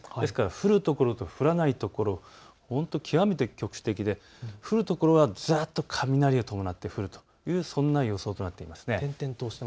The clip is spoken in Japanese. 降る所と降らないところ、極めて局地的で降る所はざっと雷を伴って降るというそんな予想となっています。